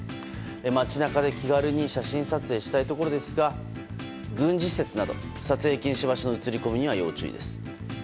街中で気軽に写真撮影したいところですが軍事施設など撮影禁止場所の写り込みには要注意です。